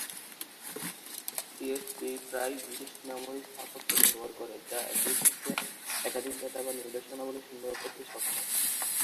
DSP প্রায়ই বিশেষ memory স্থাপত্য ব্যবহার করে, যা একই সাথে একাধিক ডেটা বা নির্দেশাবলী সংগ্রহ করতে সক্ষম।